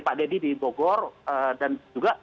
pak deddy di bogor dan juga